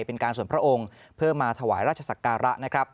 เป็นการส่วนพระองค์เพื่อมาถวายราชศักระนะครับ